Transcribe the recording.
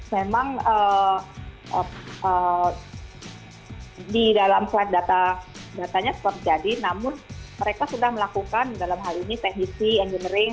memang di dalam flight datanya terjadi namun mereka sudah melakukan dalam hal ini teknisi engineering